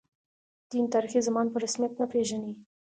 دین، تاریخي زمان په رسمیت نه پېژني.